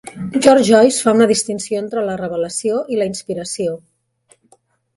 George Joyce fa una distinció entre la revelació i la inspiració.